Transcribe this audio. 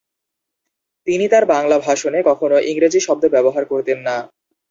তিনি তার বাংলা ভাষণে কখনো ইংরাজী শব্দ ব্যবহার করতেন না।